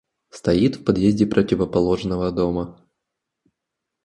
Стоит в подъезде противоположного дома.